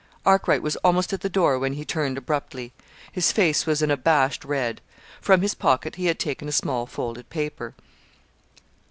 Arkwright was almost at the door when he turned abruptly. His face was an abashed red. From his pocket he had taken a small folded paper.